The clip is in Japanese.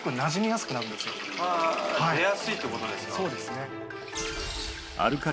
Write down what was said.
へぇ出やすいってことですか？